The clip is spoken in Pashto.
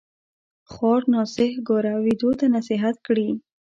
خوار ناصح ګوره ويدو تـــه نصيحت کړي